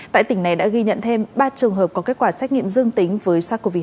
tại tỉnh này đã ghi nhận thêm ba trường hợp có kết quả xét nghiệm dương tính với sars cov hai